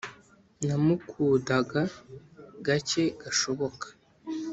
namukudaga gake gashoboka